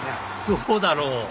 どうだろう？